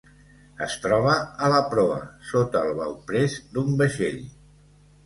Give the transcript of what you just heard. Es troba a la proa, sota el bauprès d'un vaixell.